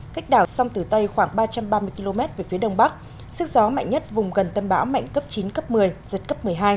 cách đảo sông tử tây khoảng ba trăm ba mươi km về phía đông bắc sức gió mạnh nhất vùng gần tâm bão mạnh cấp chín cấp một mươi giật cấp một mươi hai